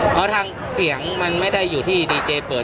เพราะทางเสียงมันไม่ได้อยู่ที่ดีเจเปิด